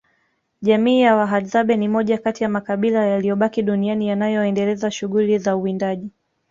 Jamii ya Wahadzabe ni moja kati ya makabila yaliyobaki duniani yanayoendeleza shughuli za uwindaji